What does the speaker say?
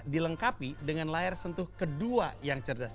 dilengkapi dengan layar sentuh kedua yang cerdas